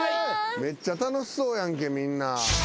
めっちゃ楽しそうやんけみんな。